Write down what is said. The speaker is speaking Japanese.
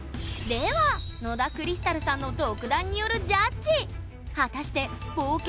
では野田クリスタルさんの独断によるジャッジ！